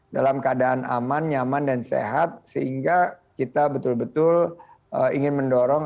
dalam keadaan aman nyaman dan sehat sehingga kita betul betul ingin mendorong